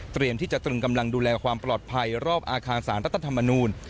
ที่จะตรึงกำลังดูแลความปลอดภัยรอบอาคารสารรัฐธรรมนูล